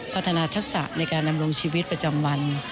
พัฒนาทักษะในการดำรงชีวิตประจำวัน